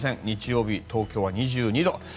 日曜日、東京は２２度。